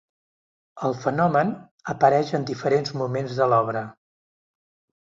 El fenomen apareix en diferents moments de l'obra.